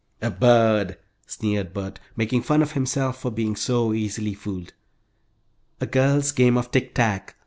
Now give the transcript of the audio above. "A bird!" sneered Bert, making fun of himself for being so easily fooled. "A girls' game of tick tack!"